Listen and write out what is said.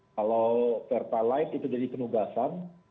kalau pertalite itu jadi penugasan